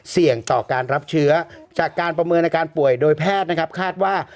เสี่ยงต่อการรับเชื้อจากการประเมินอาการป่วยโดยแพทย์นะครับคาดว่า